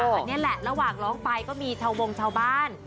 อันนี้แหละระหว่างร้องไปก็มีชาวบงชาวบ้าน